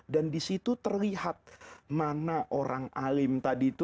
dan disitu terlihat mana orang alim tadi itu